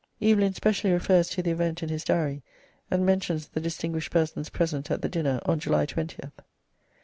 Evelyn specially refers to the event in his Diary, and mentions the distinguished persons present at the dinner on July 20th.